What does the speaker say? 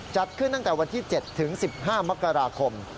จัดขึ้นตั้งแต่วันที่๗ถึง๑๕มกราคม